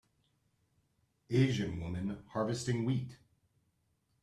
Asian woman harvesting wheat.